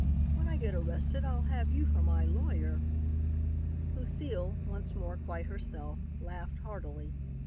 "When I get arrested I'll have you for my lawyer." Lucile, once more quite herself, laughed heartily.